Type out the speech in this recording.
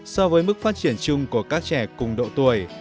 so với mức phát triển chung của các trẻ cùng độ tuổi